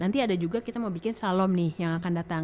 nanti ada juga kita mau bikin salom nih yang akan datang